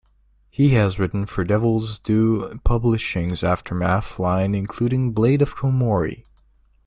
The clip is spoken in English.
He has written for Devil's Due Publishing's Aftermath line including "Blade of Kumori".